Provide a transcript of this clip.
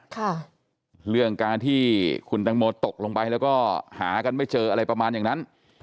ค่ะเรื่องการที่คุณตังโมตกลงไปแล้วก็หากันไม่เจออะไรประมาณอย่างนั้น